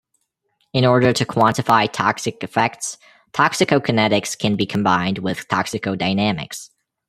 In order to quantify toxic effects toxicokinetics can be combined with toxicodynamics.